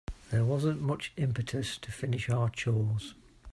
There wasn't much impetus to finish our chores.